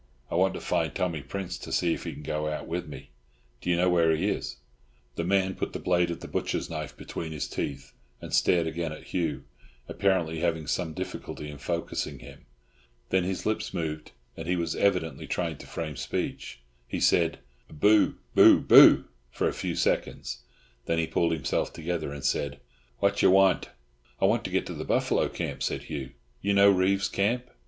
I want to find Tommy Prince, to see if he can go out with me. Do you know where he is?" The man put the blade of the butcher's knife between his teeth, and stared again at Hugh, apparently having some difficulty in focussing him. Then his lips moved, and he was evidently trying to frame speech. He said, "Boo, Boo, Boo," for a few seconds; then he pulled himself together, and said, "Wha' you want?" "I want to get to the buffalo camp," said Hugh. "You know Reeves's camp."